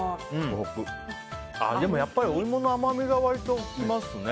でもやっぱりお芋の甘みが割と来ますね。